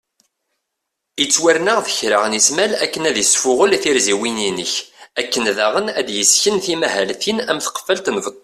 Ittwarna deg kra n ismal akken ad isfuγel tirziwin inek , akken daγen ad d-yesken timahaltin am tqefalt n beṭṭu